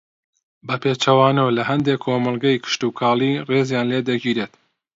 بە پێچەوانە لە ھەندێک کۆمەڵگەی کشتوکاڵی ڕێزیان لێدەگیرێت